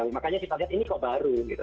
makanya kita lihat ini kok baru gitu